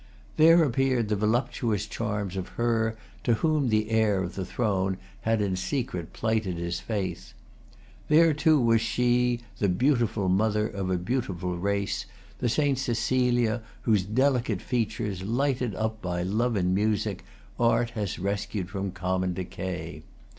There appeared the voluptuous charms of her to whom the heir of the throne had in secret plighted his faith. There too was she, the beautiful mother of a beautiful race, the St. Cecilia whose delicate features, lighted up by love and music, art has rescued from the common decay.